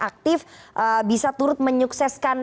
aktif bisa turut menyukseskan